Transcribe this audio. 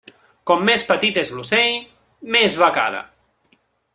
Com més petit és l'ocell, més becada.